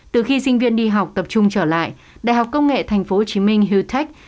từ khi sinh viên đi học tập trung trở lại đại học công nghệ tp hcm hữu thách